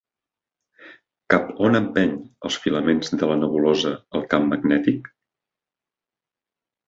Cap on empeny els filaments de la nebulosa el camp magnètic?